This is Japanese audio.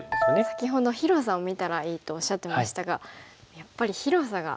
先ほど広さを見たらいいとおっしゃってましたがやっぱり広さが全然違いましたね。